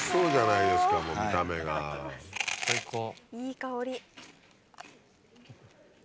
いい香り。